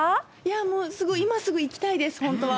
もうすごい今すぐ行きたいです、本当は。